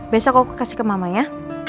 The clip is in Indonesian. besok aku kasih ke mamanya